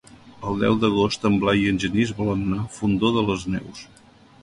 El deu d'agost en Blai i en Genís volen anar al Fondó de les Neus.